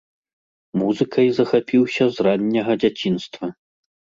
Музыкай захапіўся з ранняга дзяцінства.